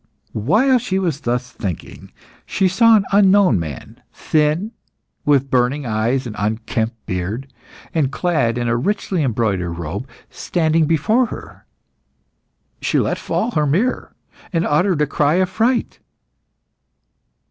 While she was thus thinking she saw an unknown man thin, with burning eyes and unkempt beard, and clad in a richly embroidered robe standing before her. She let fall her mirror, and uttered a cry of fright.